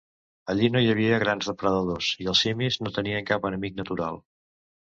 Allà no hi havia grans depredadors i els simis no tenien cap enemic natural.